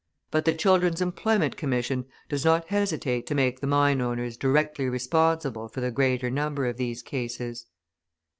But the Children's Employment Commission does not hesitate to make the mine owners directly responsible for the greater number of these cases.